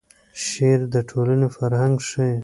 شعر د ټولنې فرهنګ ښیي.